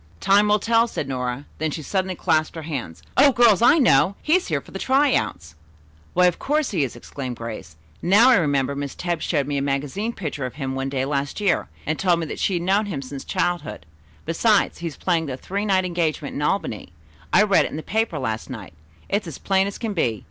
"Time will tell," said Nora. Then she suddenly clasped her hands. "O girls, I know! He's here for the try out!" "Why of course he is," exclaimed Grace. "Now I remember Miss Tebbs showed me a magazine picture of him one day last year, and told me that she had known him since childhood. Besides, he is playing a three night engagement in Albany. I read it in the paper last night. It's as plain as can be.